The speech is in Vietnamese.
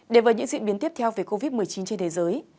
để vào những diễn biến tiếp theo về covid một mươi chín trên thế giới